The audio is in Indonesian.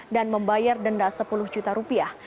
dan membayar denda sepuluh juta rupiah